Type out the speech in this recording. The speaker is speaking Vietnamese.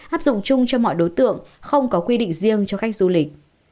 áp dụng chung cho mọi đối tượng không có quy định riêng cho khách du lịch